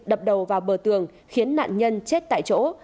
đập đầu vào bờ tường khiến nạn nhân chết tại chỗ